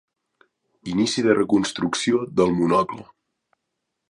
Inici de reconstrucció del monocle.